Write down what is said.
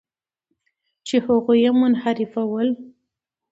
چې هغوی یې منحرفول.